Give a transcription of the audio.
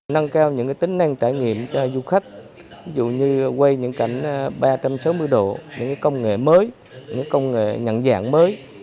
năng cao những tính năng trải nghiệm cho du khách dù như quay những cảnh ba trăm sáu mươi độ những công nghệ mới công nghệ nhận dạng mới